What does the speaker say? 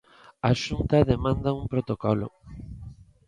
A Xunta demanda un protocolo.